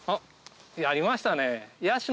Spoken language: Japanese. やりましたね。